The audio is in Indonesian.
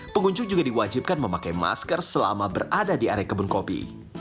pengunjung juga diwajibkan memakai masker selama berada di area kebun kopi